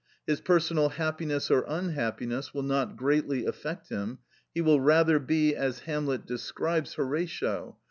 His personal happiness or unhappiness will not greatly affect him, he will rather be as Hamlet describes Horatio:—